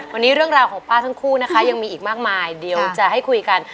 วันนี้เรื่องราวของป้าทั้งคู่นะคะยังมีอีกมากมายเดี๋ยวจะให้คุยกัน